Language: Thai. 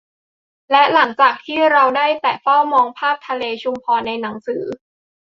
และหลังจากที่เราได้แต่เฝ้ามองภาพทะเลชุมพรในหนังสือ